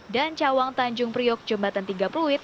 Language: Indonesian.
dan cawang tanjung priok jembatan tiga pluit